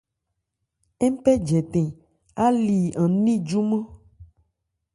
Ń pɛ jɛtɛn áli an ní júmán.